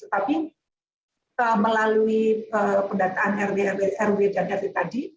tapi melalui pendataan rw dan david tadi